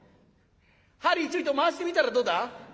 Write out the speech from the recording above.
「針ちょいと回してみたらどうだ。